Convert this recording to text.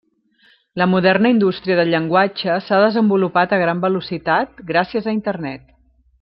La moderna indústria del llenguatge s'ha desenvolupat a gran velocitat, gràcies a Internet.